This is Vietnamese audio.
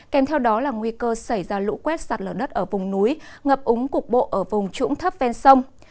kèm theo đó là nguy cơ xảy ra lũ quét sạt lở đất ở vùng núi ngập úng cục bộ ở vùng trũng thấp ven sông